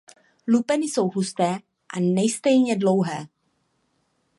Lupeny jsou husté a nestejně dlouhé.